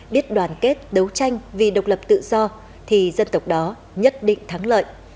biết đoàn kết đấu tranh vì độc lập tự do thì dân tộc đó nhất định thắng lợi